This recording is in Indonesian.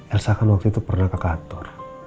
elsa kan waktu itu pernah ke kantor